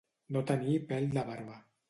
No tenir pèl de barba.